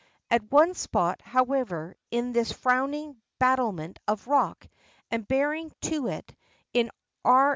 At one spot, however, in this frowning battlement of rock, and bearing to it, in R.